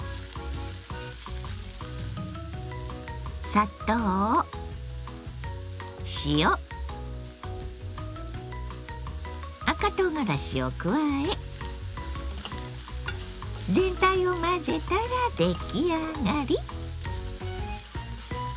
砂糖塩赤とうがらしを加え全体を混ぜたら出来上がり。